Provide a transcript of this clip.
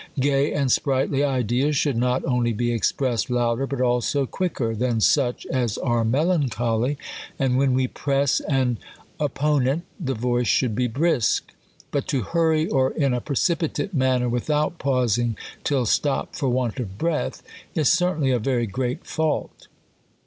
Gay and sprighdy ideas should not only be expressed louder, but also quicker than such as are melancholy. A«ad when we press an oponent, THE COLUMBIAN ORATOR. 17 opponent, the voice should be brisk. But to hurry or in a precipitate manner without pausing, till stopped foi want of breath, is certainly a very great fault.